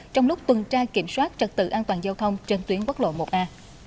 trong lúc tuần tra kiểm soát trật tự an toàn giao thông trên tuyến quốc lộ một a